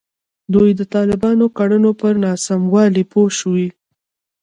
دوی د طالبانو کړنو پر ناسموالي پوه شوي.